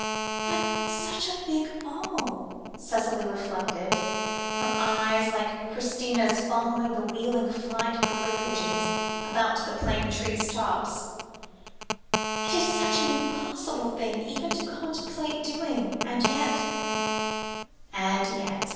"But such a big 'all,'" Cicely reflected, her eyes, like Christina's, following the wheeling flight of the wood pigeons about the plane trees' tops; "it is such an impossible thing even to contemplate doing, and yet " And yet!